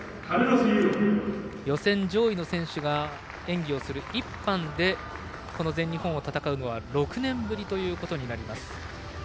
予選上位の選手が演技をする１班で全日本を戦うのは６年ぶりとなります。